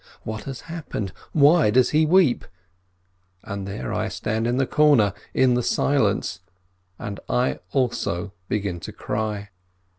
What has happened ? Why does he weep ? And there I stand in the corner, in the silence, and I also begin to cry.